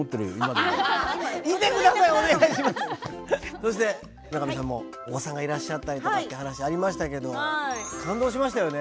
そして村上さんもお子さんがいらっしゃったりとかって話ありましたけど感動しましたよね。